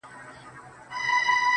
خوله يوه ښه ده، خو خبري اورېدل ښه دي.